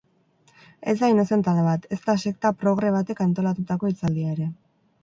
Ez da inozentada bat, ezta sekta progre batek antolatutako hitzaldia ere.